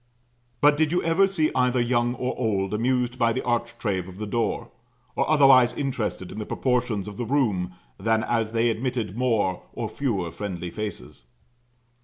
But did you ever see either young or old amused by the architrave of the door? Or otherwise interested in the proportions of the room than as they admitted more or fewer friendly faces?